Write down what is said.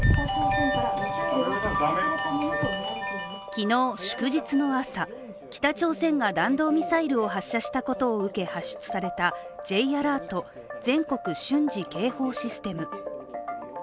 昨日、祝日の朝、北朝鮮が弾道ミサイルを発射したことを受け発出されたＪアラート＝全国瞬時警報システム。